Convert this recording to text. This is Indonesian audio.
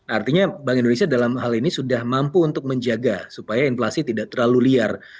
artinya bank indonesia dalam hal ini sudah mampu untuk menjaga supaya inflasi tidak terlalu liar